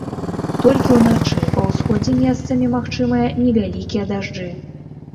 Толькі ўначы па ўсходзе месцамі магчымыя невялікія дажджы.